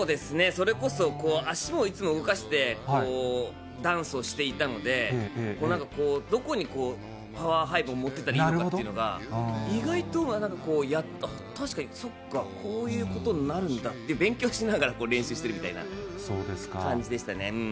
それこそ、足もいつも動かして、ダンスをしていたので、なんか、どこにパワー配分を持っていったらいいかというのが、意外と、なんかこう、確かにそっか、こういうことになるんだって、勉強しながら練習してるみたいな感じでしたね。